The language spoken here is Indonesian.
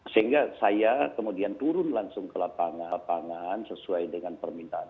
sehingga saya kemudian turun langsung ke lapangan lapangan sesuai dengan permintaan